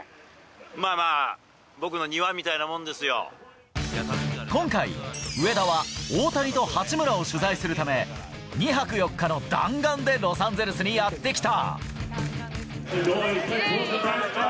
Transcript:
まあまあ、僕の庭みたいな今回、上田は大谷と八村を取材するため、２泊４日の弾丸でロサンゼルスにやって来た。